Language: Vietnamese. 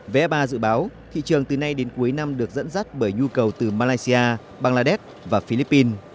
vé ba dự báo thị trường từ nay đến cuối năm được dẫn dắt bởi nhu cầu từ malaysia bangladesh và philippines